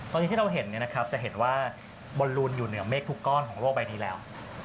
ตอนนี้ที่เราเห็นจะเห็นว่าบอลลูนอยู่เหนือเมฆทุกก้อนของโลกใบนี้แล้ว